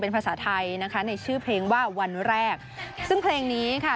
ภาษาไทยนะคะในชื่อเพลงว่าวันแรกซึ่งเพลงนี้ค่ะ